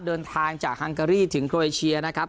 เดินทางจากฮังการีถึงโรเอเชียนะครับ